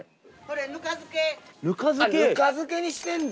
ぬか漬けにしてんだ。